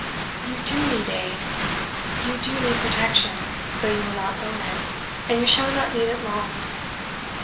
"You DO need aid you do need protection, though you will not own it; and you shall not need it long.